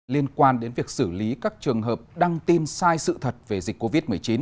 liên quan đến việc xử lý các trường hợp đăng tin sai sự thật về dịch covid một mươi chín